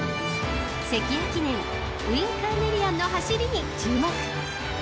［関屋記念ウインカーネリアンの走りに注目］